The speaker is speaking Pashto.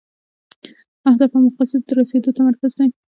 اهدافو او مقاصدو ته د رسیدو تمرکز دی.